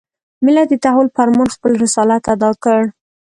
ملت د تحول په ارمان خپل رسالت اداء کړ.